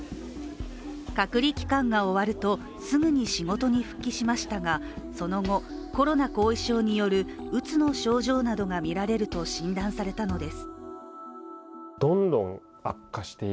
隔離期間が終わるとすぐに仕事に復帰しましたが、その後、コロナ後遺症によるうつの症状などが見られると診断されたのです